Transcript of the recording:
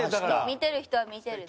見てる人は見てる。